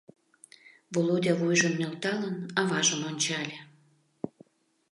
Володя, вуйжым нӧлталын, аважым ончале.